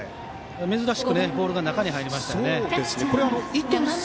珍しくボールが中に入りました。